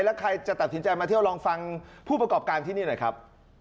แล้วใครจะตัดสินใจมาเที่ยวลองฟังผู้ประกอบการที่นี่หน่อยครับ